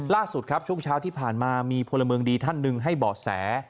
ล่าสุดครับช่วงเช้าที่ผ่านมามีพลเมืองดีท่านหนึ่งให้เบาะแส